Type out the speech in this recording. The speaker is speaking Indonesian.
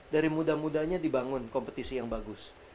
dari muda mudanya dibangun kompetisi yang bagus